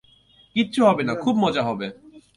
কিচ্ছু হবে না, খুব মজা হবে!